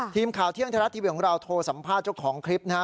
ทีมข่าวเที่ยงไทยรัฐทีวีของเราโทรสัมภาษณ์เจ้าของคลิปนะฮะ